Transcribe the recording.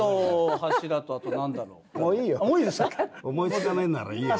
思いつかねえんならいいよ。